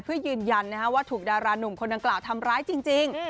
เพื่อยืนยันว่าถูกดารานุ่มคนดังกล่าวทำร้ายจริง